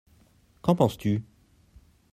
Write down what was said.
Qu'en penses-tu ?